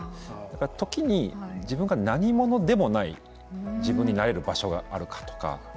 時に自分が何者でもない自分になれる場所があるかとか